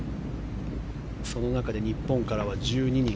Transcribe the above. その中で日本からは１２人。